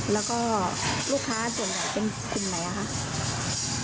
แล้วก็ลูกค้าส่วนใหญ่เป็นคนไหนครับ